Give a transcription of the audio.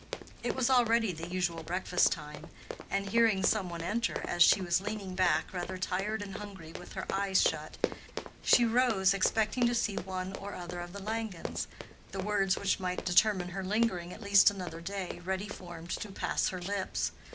It was already the usual breakfast time, and hearing some one enter as she was leaning back rather tired and hungry with her eyes shut, she rose expecting to see one or other of the Langens—the words which might determine her lingering at least another day, ready formed to pass her lips.